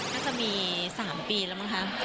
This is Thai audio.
ก็จะมี๓ปีแล้วมั้งคะ